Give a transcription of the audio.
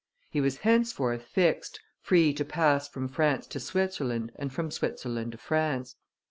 He was henceforth fixed, free to pass from France to Switzerland and from Switzerland to France.